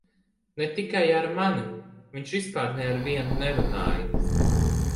Ne tikai ar mani - viņš vispār ne ar vienu nerunāja.